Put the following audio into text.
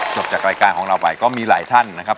จบจากรายการของเราไปก็มีหลายท่านนะครับ